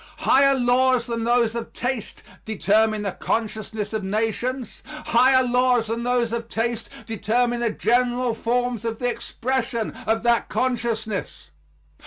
Higher laws than those of taste determine the consciousness of nations. Higher laws than those of taste determine the general forms of the expression of that consciousness.